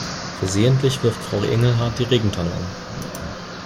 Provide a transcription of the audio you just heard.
Versehentlich wirft Frau Engelhart die Regentonne um.